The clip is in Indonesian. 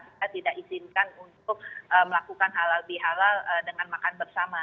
kita tidak izinkan untuk melakukan halal bihalal dengan makan bersama